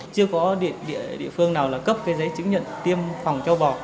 chưa có địa phương nào cấp giấy chứng nhận tiêm phòng châu bò